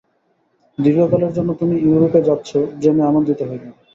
দীর্ঘকালের জন্য তুমি ইউরোপে যাচ্ছ জেনে আনন্দিত হলাম।